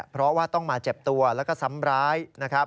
เพราะว่าต้องมาเจ็บตัวและก็ซ้ำร้าย